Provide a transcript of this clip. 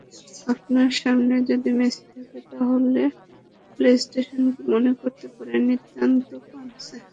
আপনার সামনে যদি মেসি থাকে, তাহলে প্লে-স্টেশনকে মনে হতে পারে নিতান্তই পানসে।